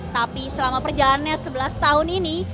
tapi selama perjalanannya sebelas tahun ini